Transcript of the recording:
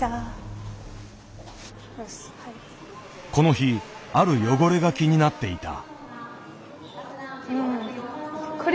この日ある汚れが気になっていた。